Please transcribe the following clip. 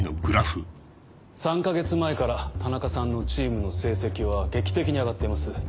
３か月前から田中さんのチームの成績は劇的に上がっています。